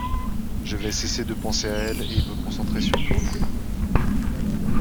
je vais cesser de penser à elle et me concentrer sur toi.